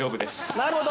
なるほど！